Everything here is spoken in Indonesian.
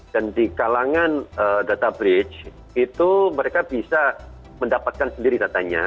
dan di kalangan data bridge itu mereka bisa mendapatkan sendiri datanya